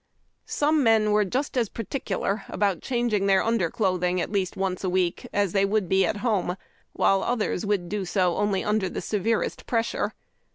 Some of the men were just as particular about changing their under clothing at least once a week as they would be at home; while others would do so only under, the severest pressure.